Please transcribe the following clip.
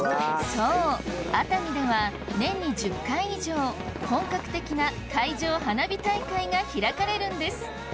そう熱海では年に１０回以上本格的な海上花火大会が開かれるんです